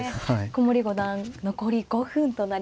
古森五段残り５分となりました。